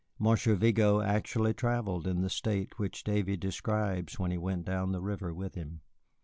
Monsieur Vigo actually travelled in the state which Davy describes when he went down the river with him.